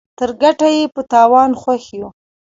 تر ګټه ئې په تاوان خوښ يو.